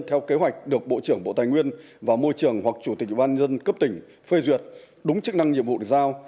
theo kế hoạch được bộ trưởng bộ tài nguyên và môi trường hoặc chủ tịch ubnd cấp tỉnh phê duyệt đúng chức năng nhiệm vụ được giao